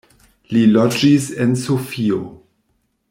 Li loĝis en Sofio.